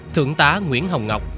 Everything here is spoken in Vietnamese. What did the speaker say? thượng tá nguyễn hồng ngọc